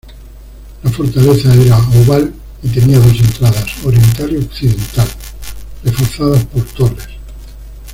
La fortaleza era oval y tenía dos entradas -oriental y occidental-, reforzadas por torres.